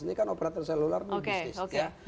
ini kan operator seluler ini bisnis